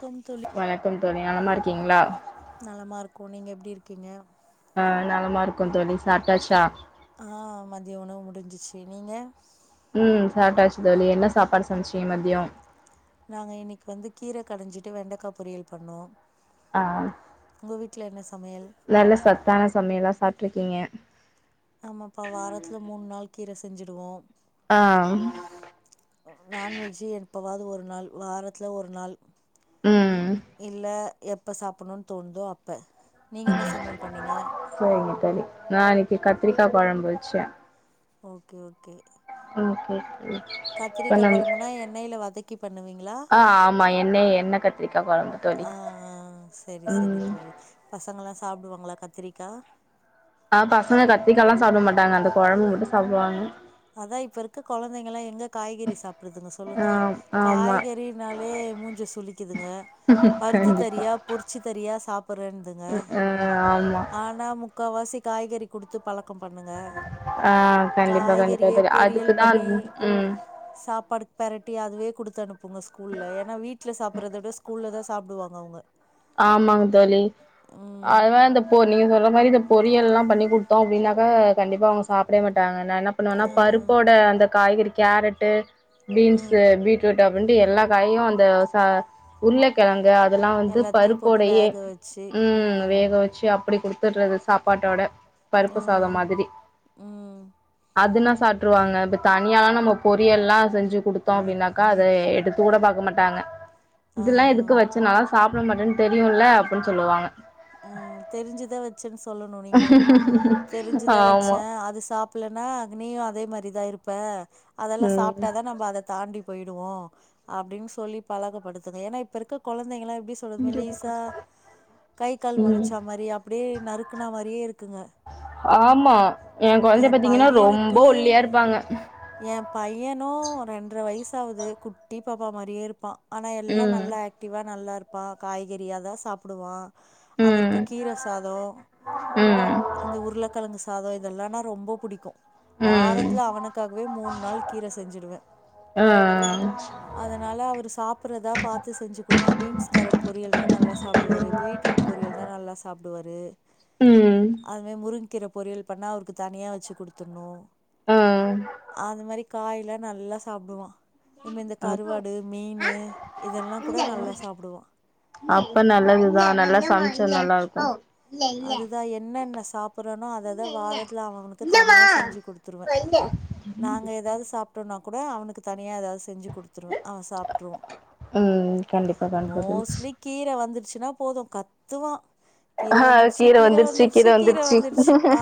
தம் தோழி வணக்கம் தோழி நலமா இருக்கீங்கள நல்லமா இருக்குகோ நீங்க எப்டி இருக்கீங்க ஆ நல்லமா இருக்குகோ தோழி சாப்டாச்சா ஆ மதியோ உணவு முடிஞ்சிச்சு நீங்க ம் சாப்ட்டாச்சு தோழி என்ன சாப்பாடு சமசிங்க மதியோ நாங்க இன்னிக்கு வந்து கீர கடஞ்சிட்டு வெண்டக்கா பொரியல் பண்ணோ ஆ உங்க வீட்ல என்ன சமயல் நல்ல சத்தான சமையல்லா சாப்டிருக்கீங்க ஆமாப்பா வாரத்துல மூணு நாள் கீர செஞ்சுடுவோ ஆ ம் நான்வெஜ்ஜூ எப்வாவது ஒரு நாள் வாரத்துல ஒரு நாள் ம் இல்ல எப்ப சாப்டணுன்னு தோணுதோ அப்ப நீங்க என்ன சமையல் பண்ணீங்க சரிங்க தோழி நா இன்னைக்கு கத்திரிக்கா குழம்பு வச்ச ஓகே ஓகே ஓகே தோழி கத்திரிக்கா பண்ணனு கொழம்புனா எண்ணெயில வதக்கி பண்ணுவீங்களா ஆ ஆமா எண்ணெய் எண்ணெ கத்திரிக்கா குழம்பு தோழி ஆ ம் பசங்களலா சாப்டுவாங்களா கத்திரிக்கா ஆ பசங்க கத்திரிக்க எல்லா சாப்ட மாட்டாங்க அந்த குழம்பு மட்டு சாப்டுவாங்க அதா இப்ப இருக்க கொழந்தைங்காள எங்க காய்கறி சாப்டுதுங்க சொல்லுங்க ஆ ஆமா காய்கறினாலே மூஞ்சு சுளிக்குதுங்க வறுத்து கண்டிப்பா தறியா பொறிச்சுத்தறியா சாப்புடுறந்துங்க ஆ ஆமா முக்காவாசி காய்கறி குடுத்து பழக்க பண்ணுங்க ஆ கண்டிப்பா காய்கறி கண்டிப்பா இதயே தோழி பொறியல் அதுக்குதா பண்ணி ம் சாப்பாடு பேரட்டி அதுவே குடுத்து அனுப்புங்க ஸ்கூல்ல ஏன்னா வீட்டு வீட்ல சாப்றத விட ஸ்கூல் தா சாப்டுவாங்க அவங்க ஆமாங்க தோழி ம் அது மாரி இந்த இப்போ நீங்க சொல்ற மாரி ந்த பொரியல்லா பண்ணி குடுத்தோ அப்டின்னாக்கா கண்டிப்பா அவங்க சாப்டே மாட்டாங்க நானா புனோனா ஆ பருப்போட அந்த காய்கறி கேரட்டு பீன்ஸ்சு ம் பீட்ரூட்டு அப்டின்ட்டு எல்லா காயு அந்த சா உருக்கெழங்கு அதுல்லா வந்து எல்லாத்தையு போட்டு பருப்போடேயே வேக வச்சு ம் வேக ஊரவச்சு அப்டி குடுத்துடுறது சாப்பாட்டோட பருப்பு சாத ம் மாதிரி ம் அதுனா சாப்ருவாங்க இப்ப தனியல நம்ம பொரியல்லா செஞ்சு கொடுத்தோ அப்டின்னாக்கா அத எடுத்து கூட பாக் சாப்பிட மாட்டாங்க ஆ இதெல்லா எதுக்கு வச்சுனாலா சாப்பிட மாட்டேன்னு தெரியுல அப்டின்னு சொல்லுவாங்க ஆ தெரிஞ்சுதா வச்சேன்னு சொல்லணு நீங்களு தெரிஞ்சுதா ஆமா வச்சே அது சாப்ப இல்லனா அங்க நீயு அதே மாதிரிதா இருப்ப அதெல்லா ம் சாப்பிட்ட தா நம்ம அத தாண்டி போயிடுவோ அப்டின்னு சொல்லி பழகப்படுத்துங்க ஏன்னா இப்ப இருக்க கொழந்தைங்காள எப்டி சொல்றதும மேலீசா கை கால் ம் முளைச்சா மாரி அப்டியே நறுக்கனா மாரியே இருக்குங்க ஆமா என் எ கொழந்தை பாத்தீங்கன்னா ரொம்ப ஒல்லியா இருப்பாங்க என் பையனு ரெண்டரை வயசகுது குட்டி பாப்பா மாரியே இருப்பா ஆனா எல்லா ம் நல்லா ஆக்டிவா நல்லா இருப்பா காய்கறியா தா சாப்பிடுவா ம் அவருக்கு கீரை சாத ம் இந்த உருளைக்கேழங்கு சாத இதெல்லானா ரொம்ப பிடிக்கு ம் வாரத்துல அவனுக்காகவே மூண் நாள் கீர செஞ்சுடுவ ஆ அதனால அவரு சாப்புறதா பாத்து செஞ்சு குடுப்ப பீன்ஸ் கேரட் பொரியல்னா நல்லா சாப்டுவாரு பீட்ரூட் பொரியல் தா நல்லா சாப்டுவாரு ம் அது மாி முருங்கிற பொரியல் பண்ணா அவருக்கு தனியா வச்சு குடுத்துர்னு ஆ அது மாரி காய்ல்லா நல்லா சாப்டுவா இ மெ இந்த கருவாடு மீனு இதெல்லா கூட நல்லா சாப்டுவா அப்ப நல்லதுதா நல்லா சம்ச்சா நல்லா இருக்கு அதுதா என்னென சாப்புறானோ அததத வாரத்துல அவவனுக்கு தனியா செஞ்சு குடுத்துருவ நாங்க ஏதாது சாப்ட்டோன்னா கூட அவனுக்கு தனியா ஏதாது செஞ்சு குடுத்துருவ அவ சாப்ட்ருவா ம் கண்டிப்பா கண்டிப்பா தோழி கீர வந்துருச்சுன்னா போது கத்துவா கீர ஆ வந்து கீர வந்துட்ச்சு கீர வந்துட்ச்சு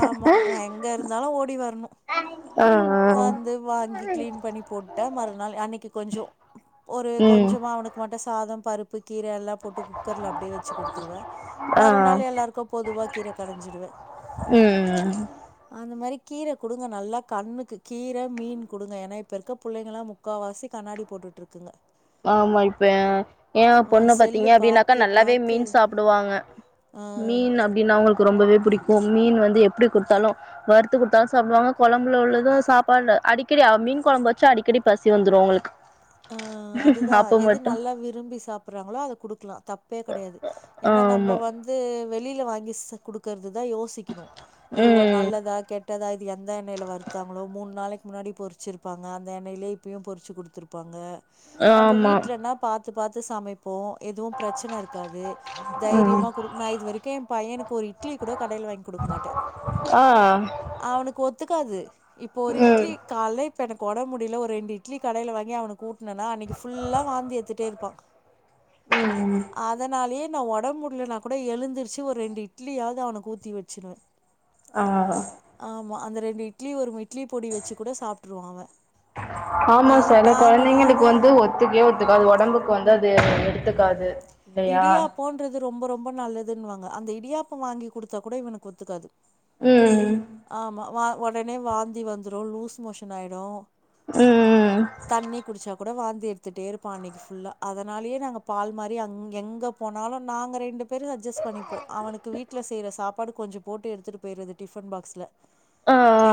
ஆமாம் நான் எங்கே இருந்தாலும் ஓடி வரணும் ஆ ஆ வந்து வாங்கி கிளீன் பண்ணி போட்டா மறுநாள் அனக்கு கொஞ்சோ ஒரு ம் கொஞ்சமா அவனுக் குவாட்டஸ் சாதம் பருப்பு கீர எல்லா போட்டு குக்கர்ல அப்டியே வச்சு குடுத்துருவ ஆ மறுநாள் எல்லாருக்கு பொதுவா கீர கடஞ்சிடுவ ம் ம் ம் அந்த மாரி கீர குடுங்க நல்லா கண்ணு கு கீர மீன் குடுங்க ஏனா இப்ப இருக்க புள்ளைங்களா முக்காவாசி கண்ணாடி போட்டுட்ருக்குங்க ஆமா இப்ப ஏ ஏ பொண்ண பாத்தீங்க செல்லு அப்டின்னாக்கா நல்லாவே மீன் சாப்டுவாங்க ஆ மீன் அப்டின்னா அவுங்களுக்கு ரொம்பவே புடிக்கு மீனு வந்து எப்டி குடுத்தாலு வறுத்து குடுத்தாலு சாப்டுவாங்க கொழம்புல உள்ளது சாப்பாட்ல அடிக்கடி அவ மீன் கொழம்பு வச்சா அடிக்கடி பசி வந்துரு அங்களுக் ஆ அதுதா எது நல்லா விரும்பி சாப்டறாங்களோ அத குடுக்லா தப் ப்பே கடையாது ஏனா நம்ப ஆமா வந்து வெளில வாங்கி ச குடுக்கறது தா யோஸ் திக்கிணு இது ஒரு ம் நல்லதா கேட் ட்தா இது எந்த எண்ணெய்ல வருத்தாங்களோ மூண் நாளைக்கு முன்னாடி பொறிச்சிருப்பாங்க அந்த எண்ணெய்லே இப்பயு பொறிச்சு குடுத்துருப் ப்பாங்க நம்ப ஆமா வீட்லனா பாத்து பாத்து சமைப்போ எதுவு பிரச்சன இருக்காது ம் தைரியமா குடு நா இது வரைக்கு என் பையன்னுக்கு ஒரு இட்லி கூட கடைல வாங் குடுக் மாட்ட ஆ அவனுக்கு ஒத்துக்காது இப்ப ஒரு ம் இட்லி கால்ல இப்ப எனக் உடம் முடில ஒரு ரெண்டு இட்லி கடைல வாங் ஏ அவக்குனு கூட்னனா அன்னைக்கு ஃபுல்லா வாந்தி எத்துட்டே இருப்பா ம் அதனாலயே நா ஒடம் முடிலனா கூட எழுந்திருச்சி ஒரு ரெண்டு இட்லியாது அவனுக்கு ஊத்தி வச்சிருவே ஆ ஆமா அந்த ரெண்டு இட்லி ஒரு இட்லி பொடி வச்சி கூட சாப்பிட்டுருவா அவ ஆமா செல கொழந்தைங்களுக்கு வந்து ஒத்துக்கே ஒத்துக்காது ஒடம்புக்கு வந்து அது எடுத்துக்காது இல்லையா இடியாப்போன்றது ரொம்ப ரொம்ப நல்லதுன்னுவாங்க அந்த இடியாப்போ வாங்கி குடுத்தா இவனுக்கு ஒத்துக்காது ம் ஆமா வா ஒடனே வாந்தி வந்துடு லூஸ் மோஷன் ஆயிடு ம் தண்ணி குடுச்சா கூட வாந்தி எடுத்துட்டே இருப்பா அன்னைக்கு ஃபுல்லா அதனாலயே நாங்க பால் மாரி அங் எங்க போனாலு நாங்க ரெண்டு பேரு அஜ்ஜெஸ் பண்ணிப்போ அவனுக்கு வீட்ல செய்ற சாப் ப்பாடு கொஞ்ச போட்டு எடுத்துட்டு போயிறது டிஃபன் பாக்ஸ்ல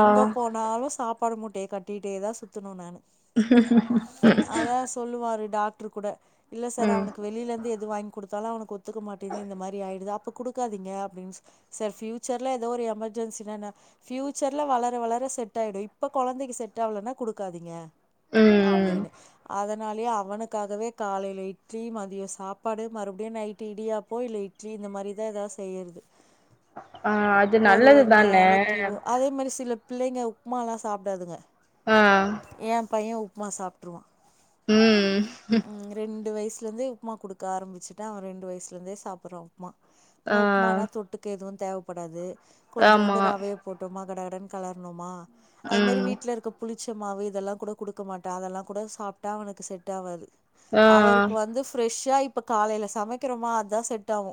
எங்க போனாலு சாப் ப்பாடு மூட்டய கட்டிட்டேதா சுத்தணு நானு [inaudible] அதா சொல்லுவாரு டாக்ட்ரு கூட இல்ல சார் ம் அவனுக்கு வெளிலேருந்து எத் இது வாங்கி குடுத்தாலு அவனுக்கு ஒத்துக்க மாட்டிது இந்த மாரி ஆயிடுது அப்ப குடுக்காதீங்க அப்டின் சர் ஃப்யூச்சர்ல எதோ ஒரு எமர்ஜென்சிலா நா ஃப்யூச்சர்ல வளர வளர செட் ஆயிடு இப்ப கொழந்தைக்கு செட் ஆவலனா குடுக்காதீங்க ம் அப்டின்னு அதனாலயே அவனுக்காகவே காலையில இட்லி மதியோ சாப் ப்பாடு மறுபிடியு நைட் இடியாப்போ இல்ல இட்லி இந்த மாரிதா எதா செய்யறது ஆ அது ஒரு நல்லது ஒரு தான நாளைக்குவ அதே மேரி சில பிள்ளைங்க உப்புமால்லா சாப்பிடாதுங்க ஆ ஏ பையே உப்புமா சாப்பிட்டுருவா ம் ம் ரெண்டு வயசுலந்தே உப்புமா குடுக் க்க ஆரம்பிச்சிட்ட அவ ரெண்டு வயசுலந்தே சாப்பறா உப்புமா இவ ஆ உப்புமானா தொட்டுக் க்க எதுவு தேவப்படாது கொஞ்சோன்டு ஆமா ரவைய போட்டோமா கடகடன்னு கலரனுமா அது மேரி ம் வீட்ல இருக்கப் புளிச்ச மாவு இதெல்லா கூட குடுக்கமாட்ட அதெல்லா கூட சாப்புட்டா அவனுக்கு செட் ஆவாது ஆ அவருக்கு வந்து ஃப்ரெஷ்ஷா இப்ப காலையில சமைக்கிறோமா அதா செட் ஆவு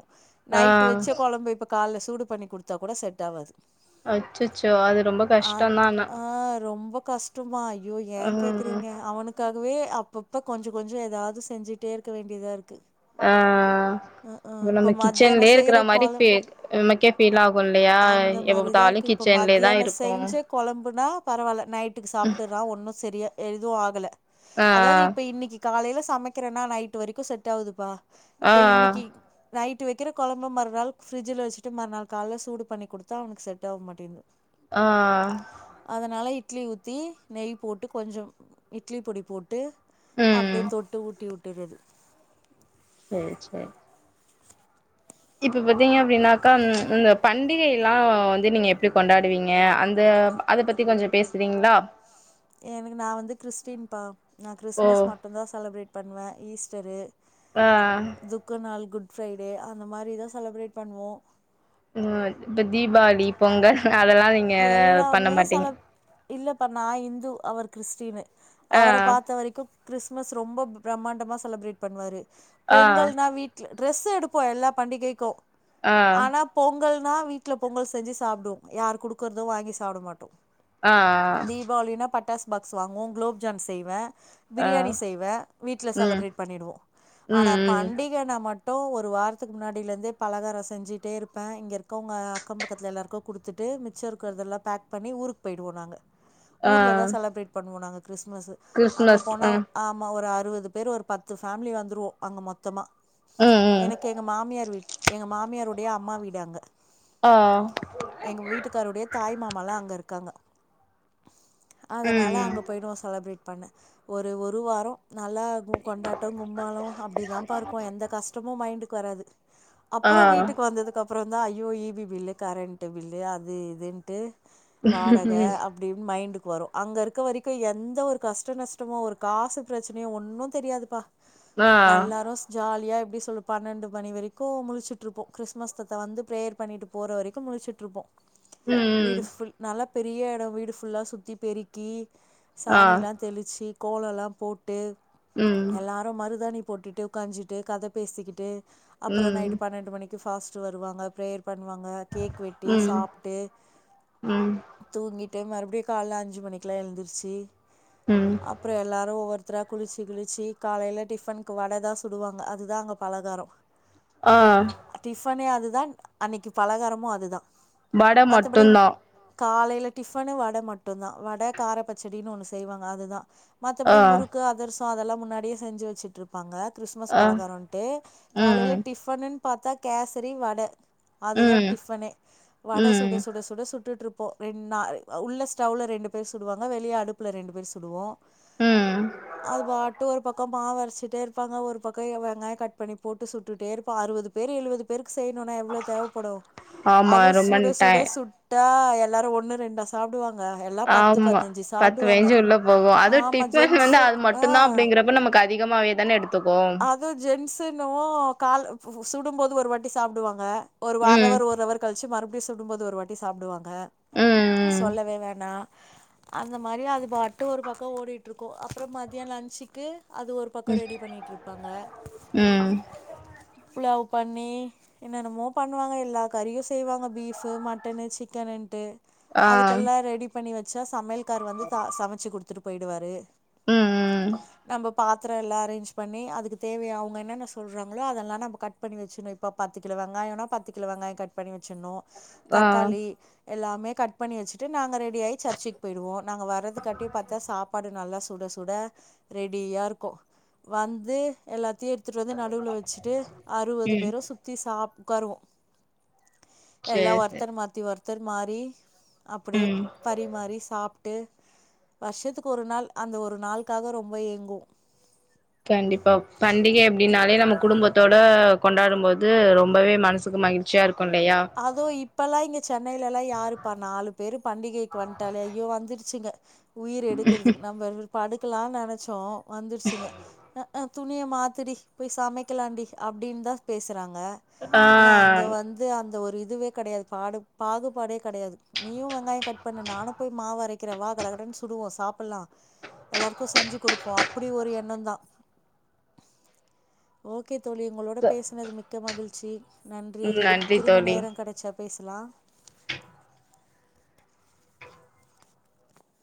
ஆ நைட் வச்ச கொழம்பு இப்ப கால சூடு பண்ணி குடுத்தா கூட செட் ஆவாது அச்சச்சோ அது ரொம்ப ஆம் கஷ்டந்தா ஆனா ஆ ரொம்ப கஷ் ட்டுமா ஐயோ ஏ ம் கேக்கிறீங்க அவனுக் க்காகவே அப்பப்ப கொஞ்சோ கொஞ்சோ எதாது செஞ்சிட்டே இருக்க வேண்டியதா இருக்கு ஆ அ ஆ இப்ப நம்ப மத்தியான கிச்சன்லியே செய்யற இருக்கிற மாரி கொழம் ஃபே நமக்கே ஃபீல் ஆகு இல்லையா அந்த எப்ப மாரிதா இருக்கு பாத்தாலு இப்ப கிச் ச்சன்லே தா மத்தியான இருக்கோ செஞ்ச கொழம்புனா பரவாயில்ல நைட்டுக்கு சாப்புட்றான் ஒன்னு செரிய எதுவு ஆகல ஆ அதாது இப்ப இன்னிக்கு காலையில சமைக்கிறன்னா நைட்டு வரைக்கு செட் ஆவுதுப்பா ஆ இப்ப இன்னிக்கி ஆ நைட்டு வைக்கிற கொழம்பு மறுநாள் ஃபிரிட்ஜல வச்சிட்டு மறுநாள் கால சூடு பண்ணி குடுத்தா அவனுக்கு செட் ஆகா மாடிது உ [inaudible] ஆ அதனால இட்லி ஊத்தி நெய் போட்டு கொஞ்சோ இட்லி பொடி போட்டு ம் அப்டியே தொட்டு ஊட்டிவுட்டுரது சே சே இப்ப பாத்தீங்க அப்டின்னாக்கா ம் இந்த பண்டிகை இல்லா வந்து நீங்க எப்பிடி கொண்டாடுவீங்க அந்த அத பத்தி கொஞ்சோ பேஸ்றீங்களா எனக்கு நா வந்து கிறிஸ்டின்பா நா ஓ கிறிஸ்மஸ் மட்டுதா செலப்ரேட் பண்ணுவே ஈஸ்டரு ஆ துக்க நாள் குட் ப்ரைடே அந்த மாரி தா செலப்ரேட் பண்ணுவோ இப்போ தீபாவளி பொங்கல் அதலா நீங்க பண்ண மாட்டீங்க இல்லப்ப நான் இந்து அவர் கிறிஸ்டினு அவர பாத்த வரைக்கும் கிறிஸ்மஸ் ரொம்ப பிரம்மாண்டமா செலப்ரேட் பண்ணுவாரு ஆ ஆ பொங்கல்னா வீட் ட்ரெஸ் எடுப்போ எல்லா பண்டிகைக்கும் ஆ ஆனா பொங்கல்னா வீட்ல பொங்கல் செஞ்சு சாப்டுவோ யார் குடுக்குறதும் வாங்கி சாப்ட மாட்டோ ஆ ஆ தீபாவளினா பட்டாஸ் பாக்ஸ் வாங்குவோ குலோப் ஜாம் செய்வே ஆ பிரியாணி செய்வே வீட்ல ம் செலபிரேட் பண்ணிடுவோ ம் ஆனா ம் பண்டி க்கேனா மட்டு ஒரு வாரத்துக்கு முன்னாடிலந்தே பலகாரோ செஞ்சிட்டே இருப்பே இங்க இருக்கவங்க க்கம்பக்கத்து எல்லாருக்கு குடுத்துட்டு மி ச்சர்க்கறதல்லா பேக் பண்ணி ஊருக் போயிடுவோ நாங்க ஆ ஊர்ல தா செலப்ரேட் பண்ணுவோ நாங்க கிறிஸ்மஸு அங்க கிறிஸ்மஸ் போனா ஆ ஆமா ஒரு அறுவது பேர் ஒரு பத்து ஃபேமிலி வந்துருவோ அங்க மொத்தமா ம் ம் எனக்கு எங்க மாமியார் வீ எங்க மாமியாருடைய அம்மா வீடு அங்க ஆ எங்க வீட்டுக்காருடைய தாய் மாமாலா அங்க இருக்காங்க அதனால ம் ம் அங்கே போயி்டுவே செலப்ரேட் பண்ண ஒரு ஒரு வாரம் நல்லா கொண்டாட்டம் கும்மாளம் அப்டிதான்பா இருக்கு எந்த கஷ்டமும் மைண்டுக்கு வராது ஆ அப்றோ வீட்டுக்கு வந்ததுக்குகப் அப்றோந்தான் ஐயோ E B bill current bill அது இதுன்ட்டு வாடகை ம் அப் அப்டின்னு மைண்டுக்கு வரும் அங்க இருக்க வரைக்கும் எந்த ஒரு கஷ்ட நஷ்டமோ ஒரு காசு பெரச்சனையோ ஒன்னு தெரியாதுப்பா ஆ நல்லாரெஸ் ஜாலியா எப்டி சொல்ல பன்னெண்டு மணி வரைக்கும் முழச்சிட்டு இருப்போம் கிறிஸ்மஸ் தாத்தா வந்து பிரேயர் பண்ணிட்டு போற வரைக்கும் முழச்சிட்டு இருப்போம் ம் ம் வீடு ஃபுல் நல்லா பெரிய எடம் வீடு ஃபுல்லா சுத்தி பெருக்கி ஆ சாணிலா தெளிச்சி கோல எல்லா போட்டு ம் எல்லா அப்றோ மருதாணி போட்டுட்டு உக்காஞ்சிட்டு கத பேசிக்கிட்டு அப்றோ ம் நைட்டு பன்னெண்டு மணி ஃபாஸ்டர் வருவாங்க பிரயேர் பண்ணுவாங்க கேக் வெட்டி ம் சாப்ட்டு ம் தூங்கிட்டு மறுபடியும் காலைல அஞ்சு மணிக்குல்லா எழுந்துருச்சி ம் அப்றோம் எல்லோரும் ஒவ்வொருத்தரா குளிச்சி கிளிச்சி காலையில டிஃபனுக்கு வடதா சுடுவாங்க அதுதான் அங்கே பலகாரம் ஆ டிஃபனே அதுதான் அன்னைக்கி பலகாரமும் அதுதான் வட மத்தபடி மட்டுந்தா காலையில டிஃபன்னு வட மட்டும்தான் வடை கார பச்சடின்னு ஒண்ணு செய்வாங்க அதுதான் ஆ மத்தபடி முறுக்கு அதுரசம் அதெல்லா முன்னாடியே செஞ்சி வெச்சிட்டு இருப் ப்பாங்க கிறிஸ்மஸ் ஆ பலகாரம்ன்ட்டு காலையில ம் டிஃபன்னு பாத்தா கேசரி வட அது தான் ம் டிஃபனே வட சுட ம் சுட சுட சுட சுட்டுட்டு இருப்போம் ரெண்டு நா உள்ள ஸ்டவ்ல ரெண்டு பேர் சுடுவாங்க வெளியே அடுப்புல ரெண்டு பேர் சுடுவோ ம் அது பாட்டு ஒரு பக்கம் மாவு அரைச்சிட்டே இருப்பாங்க ஒரு பக்கம் வெங்காயம் கட் பண்ணி போட்டு சுட்டுட்டே இருப்ப அருவது பேர் எழுபது பேருக்கு செய்யணும்னா எவ்ளோ தேவப்படு ஆமா அத ரொம்ப சூட டை சூட சுட் ட்டா எல்லாரும் ஒண்ணு ரெண்டா சாப்படுவாங்க எல்லா பத்து ஆமா பதினஞ்சி பத்து சாப்படுவாங்க பயஞ்சு உள்ள போகு அது ஆமா டிஃபன் வந்து ஜென்ஸ்ம் அது ஆ மட்டுந்தா அப்டிங்கிறப்ப அதிகமாவே தானே எடுத்துக்குவோம் அ ஜென்ஸ்சன்னுவோ கால்ல சுடும் போது ஒரு வாட்டி சாப்படுவாங்க ஒரு அர ம் அவர் ஒரு அவர் கழிச்சி மறுபடியும் சுடும்போது ஒரு வாட்டி சாப்டுவாங்க ம் ம் சொல்லவே வேணா அந்த மாரி அது பாட்டு ஒரு பக்கம் ஓடிட்டு இருக்கும் அப்றம் மதியம் லஞ்சக்கு அது ஒரு பக்கம் ம் ரெடி பண்ணிட்டு இருப்பாங்க ம் புலாவ் பண்ணி என்னென்னமோ பண்ணுவாங்க எல்லா கறியும் செய்வாங்க பீஃப் மட்டன்னு சிக்கனுன்ட்டு ஆ அதுக்கெல்லா ரெடி பண்ணி வச்சா சமையல்காரு வந்து சா சமச்சி குடுத்துட்டு போயிடுவாரு ம் ம் நம்ப பாத்திரோ எல்லா அரேஞ்ச் பண்ணி அத் அதுக்கு தேவை அவுங்க என்னென்ன சொல்றாங்களோ அதெல்லா நம்ப கட் பண்ணி வச்சின்னு பத்து கிலோ வெங்காயம்னா பத்து கிலோ வெங்காயம் கட் கட் பண்ணி வச்சின்னு ஆ ம் தக்காளி எல்லாமே கட் பண்ணி வச்சிட்டு நாங்க ரெடியாகி சர்ச்க் போயிடுவோம் நாங்க வரதுக்காட்டி பாத்தா சாப்பாடு நல்லா சுட சுட ரெடியா இருக்கும் வந்து எல்லாத்தையும் எத்துட்டு வந்து நடுவுல வெச்சுட்டு அறுவது பேரும் சுத்தி சாப்ட உக்காருவோம் எல்லா சேரி சேரி ஒருத்தர் மாத்தி ஒர்த் ஒர்தர் மாரி அப்டியே ம் பரிமாறி சாப்ட்டு வருஷத்துக்கு ஒரு நாள் அந்த ஒரு நாளுக்காக ரொம்ப ஏங்குவோ கண்டிப்பா பண்டிக அப்டின்னாலே நம்ம குடும்பத்தோட கொண்டாடும்போது ரொம்பவே மனசுக்கு மகிழ்ச்சியா இருக் கொண்டையா அதுவும் இப்பல்லா இங்க சென்னைலலா யாருப்பா நாலு பேரு பண்டிகை க்கு வந்ட்டாலே ஐயோ வந்துருச்சுங்க உயிர எடுக்கறதுக்கு நம்ம படுக்கலான் நெனச்சோ வந்துருச்சிங்க துணிய மாத்துடி போய் சமைக்கலாண்டி அப்டின் தா பேசுறாங்க ஆ ஆனா அங்க வந் இது அந்த ஒரு இதுவே கெடயாது பாடு பாகு பாடே கெடயாது நீயும் வெங்காயம் கட் பண்ணு நானு போய் மாவு அரைக்கிற வா கட கடன்னு சுடுவோம் சாப்புல்லா எல்லாருக்கு செஞ்சு குடுப்போம் அப்படி ஒரு எண்ணம் தா [inaudible] ஓகே தோழி உங்களோட பேசுனது மிக்க மகிழ்ச்சி நன்றி ம் நன்றி தோழி கெடச்சா பேசலா